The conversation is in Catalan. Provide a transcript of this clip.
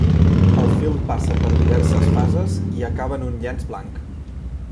El film passa per diverses fases i acaba en un llenç blanc.